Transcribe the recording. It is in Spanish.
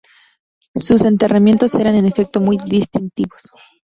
Sus enterramientos eran en efecto muy distintivos.